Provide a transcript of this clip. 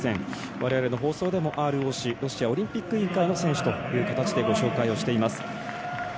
われわれの放送でもＲＯＣロシアオリンピック委員会の選手ということでご紹介しています。